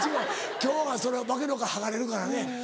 今日はその化けの皮剥がれるからね。